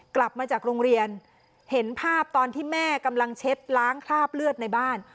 กลับมาจากโรงเรียนเห็นภาพตอนที่แม่กำลังเช็ดล้างคราบเลือดในบ้าน